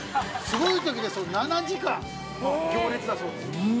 すごい時ですと７時間行列だそうです。